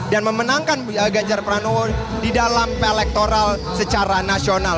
memenangkan ganjar pranowo di dalam elektoral secara nasional